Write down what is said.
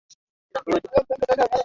Sikai kama mtu